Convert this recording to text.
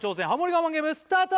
我慢ゲームスタート！